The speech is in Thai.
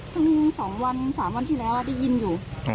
เพิ่ง๒วัน๓วันที่แล้วได้ยินอยู่